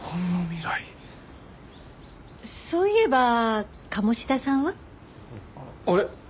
そういえば鴨志田さんは？あれ？